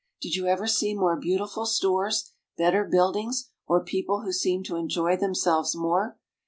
Did you ever see more beautiful stores, better buildings, or people who seem to enjoy themselves more